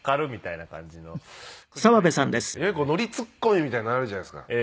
いわゆるノリツッコミみたいなのあるじゃないですか。